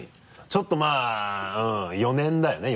ちょっとまぁ４年だよね？